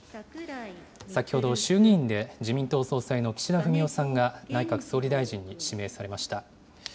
先ほど、衆議院で自民党総裁の岸田文雄さんが内閣総理大臣に指名されました。